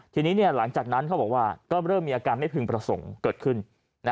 ทีนี้หลังจากนั้นเขาบอกว่าก็เริ่มมีอาการไม่พึงประสงค์เกิดขึ้น